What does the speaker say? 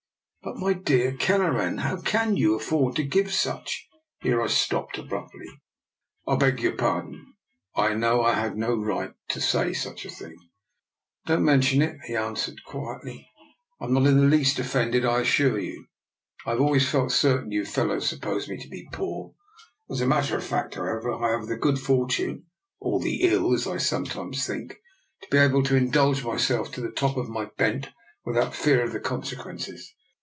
* "But, my dear Kelleran, how can you afford to give such " Here I stopped abruptly. " I beg your pardon — I know I had no right to say such a thing." " Don't mention it," he answered quietly. " I am not in the least offended, I assure you. I have always felt certain you fellows sup posed me to be poor. As a matter of fact, however, I have the good fortune, or the ill, as I sometimes think, to be able to indulge myself to the top of my bent without fear of the consequences.